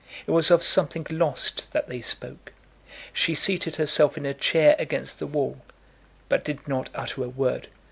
It was of something lost that they spoke. She seated herself in a chair against the wall, but did not utter a word.